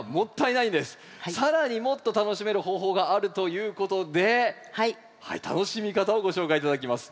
更にもっと楽しめる方法があるということで楽しみ方をご紹介頂きます。